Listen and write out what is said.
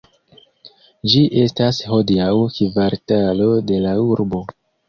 Ĝi estas hodiaŭ kvartalo de la urbo.